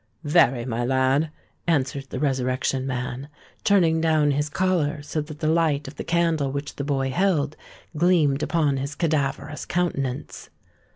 "Very, my lad," answered the Resurrection Man, turning down his collar, so that the light of the candle which the boy held, gleamed upon his cadaverous countenance.